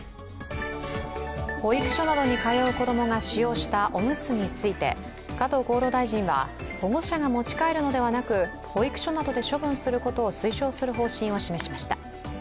保育所などに通う子どもが使用したおむつについて加藤厚労大臣は保護者が持ち帰るのではなく、保育所などで処分することを推奨する方針を示しました。